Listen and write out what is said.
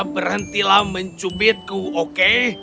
berhentilah mencubitku oke